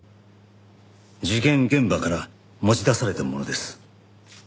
事件現場から持ち出されたものです。